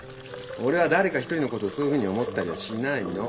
俺は誰か一人のことをそういうふうに思ったりはしないの。